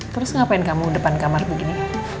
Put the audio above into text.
terus ngapain kamu depan kamar begini